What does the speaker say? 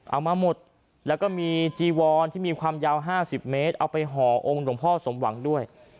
เอามาหมดแล้วก็มีจีวอนที่มีความยาว๕๐เมตรเอาไปห่อองค์หลวงพ่อสมหวังด้วย